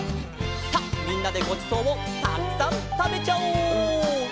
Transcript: さあみんなでごちそうをたくさんたべちゃおう！